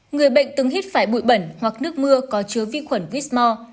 người bệnh từng hít phải bụi bẩn hoặc nước mưa có chứa vi khuẩn whmore